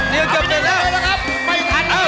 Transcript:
นี่ก็เกือบเสร็จแล้ว